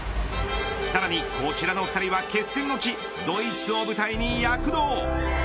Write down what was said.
さらにこちらの２人は決戦の地ドイツを舞台に躍動。